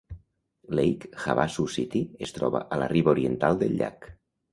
Lake Havasu City es troba a la riba oriental del llac.